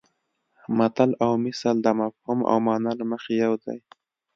متل او مثل د مفهوم او مانا له مخې یو دي